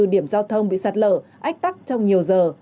hai mươi bốn điểm giao thông bị sạt lở ách tắc trong nhiều giờ